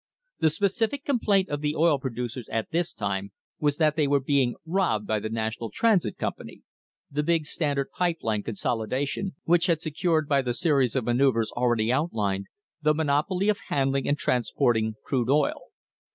The specific complaint of the oil producers at this time was that they were being "robbed" by the National Transit Company the big Standard pipe line consolidation, which had secured by the series of manoeuvres already outlined the monopoly of handling and transporting crude oil.